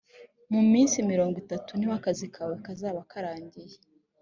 mu minsi mirongo itatu niho akazi kawe kazaba karangiye